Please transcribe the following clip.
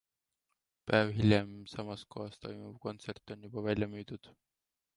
Päev hiljem samas kohas toimuv kontsert on juba välja müüdud.